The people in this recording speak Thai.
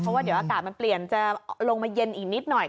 เพราะว่าเดี๋ยวอากาศมันเปลี่ยนจะลงมาเย็นอีกนิดหน่อย